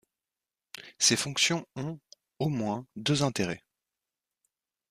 Ces fonctions ont, au moins, deux intérêts.